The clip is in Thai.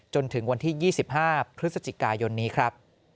จนถึงวันที่๒๕พฤศจิกายนนี้ครับ